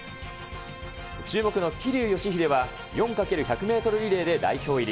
注目の桐生祥秀は、４×１００メートルリレーで代表入り。